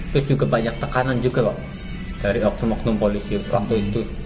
terus juga banyak tekanan juga dari waktu waktu polisi waktu itu